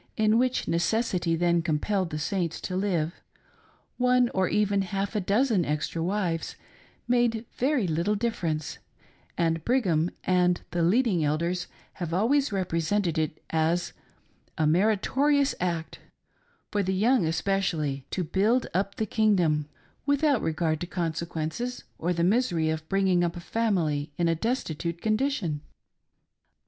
257 In which necessity then compelled the Saints to live, one or even half a dozen extra wives, made very little difference, and Brigham and the leading Elders have, always represented it as a meritorious act, for the young especially, to " build up the kingdom," without regard to consequences, or the misery of bringing up a family in a destitute condition.